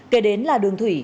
kể đến là đường thủy